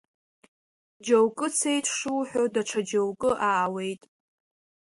Џьоукы цеит шуҳәо, даҽа џьоукы аауеит.